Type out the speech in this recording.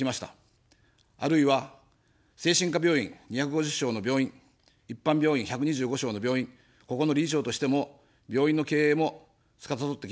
あるいは、精神科病院２５０床の病院、一般病院１２５床の病院、ここの理事長としても病院の経営もつかさどってきました。